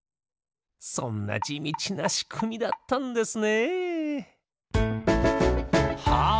そんなじみちなしくみだったんですね。